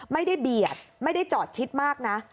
ไม่ได้เบียดไม่ได้จอดชิดมากนะ